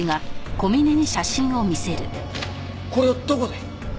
これをどこで？